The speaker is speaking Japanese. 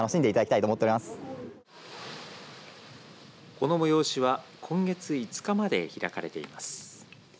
この催しは今月５日まで開かれています。